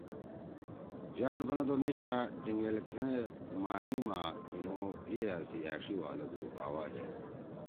یار بنَدُو: ”میشا ڈینگیِل گھہ مأمی ما تنُو یِئیا سی أݜی والَدُو، باواجی۔